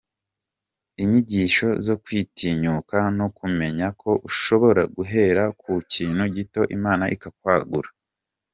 Inyigisho zo kwitinyuka no kumenya ko ushobora guhera ku kintu gito Imana ikwakwagura.